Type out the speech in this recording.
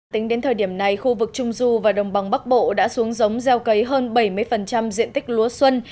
tính đến thời điểm này khu vực trung du và đồng bằng bắc bộ đã xuống giống gieo cấy hơn bảy mươi diện tích lúa xuân